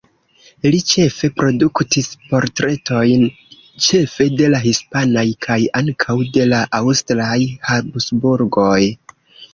Li ĉefe produktis portretojn, ĉefe de la hispanaj, kaj ankaŭ de la aŭstraj, Habsburgoj.